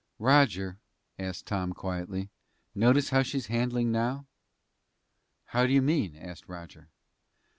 "Roger," asked Tom quietly, "notice how she's handling now?" "How do you mean?" asked Roger.